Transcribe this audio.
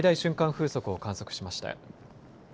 風速を観測しました。